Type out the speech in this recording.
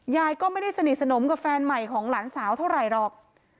ยายก็ไม่ได้สนิทสนมกับแฟนใหม่ของหลานสาวเท่าไหร่หรอก